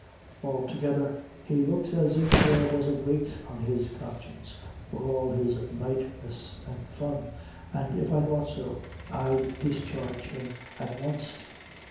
Altogether, he looks as if there was a weight on his conscience, for all his lightness an' fun an' if I thought so, I'd discharge him at wanst."